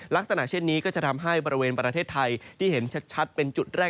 ลักษณะเช่นนี้ก็จะทำให้บริเวณประเทศไทยที่เห็นชัดเป็นจุดแรก